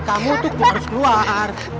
kamu tuh harus keluar